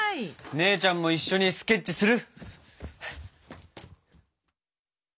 姉ちゃんも一緒にスケッチする？